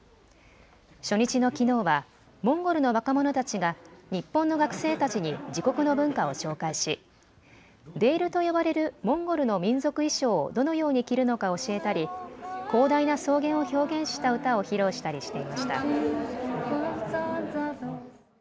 初日のきのうはモンゴルの若者たちが日本の学生たちに自国の文化を紹介しデールと呼ばれるモンゴルの民族衣装をどのように着るのか教えたり、広大な草原を表現した歌を披露したりしていました。